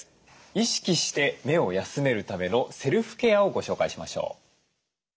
意識して目を休めるためのセルフケアをご紹介しましょう。